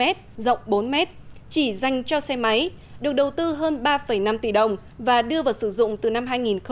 cầu treo tà lại bắc qua sông đồng nai dài một trăm sáu mươi bốn m rộng bốn m chỉ dành cho xe máy được đầu tư hơn ba năm tỷ đồng và đưa vào sử dụng từ năm hai nghìn năm